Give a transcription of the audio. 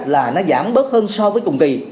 là nó giảm bớt hơn so với cùng kỳ